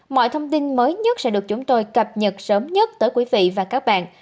mọi thông tin mới nhất sẽ được chúng tôi cập nhật sớm nhất tới quý vị và các bạn